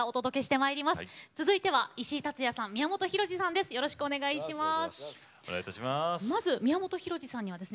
続いては石井竜也さん、宮本浩次さんです。